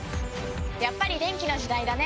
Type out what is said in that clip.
やっぱり電気の時代だね！